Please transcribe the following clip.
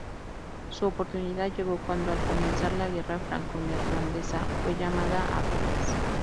Su oportunidad llegó cuando al comenzar la guerra franco-neerlandesa fue llamado a filas.